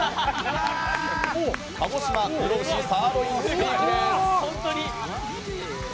鹿児島黒牛サーロインステーキです。